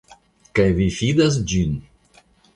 Kaj vi fidas ĝin?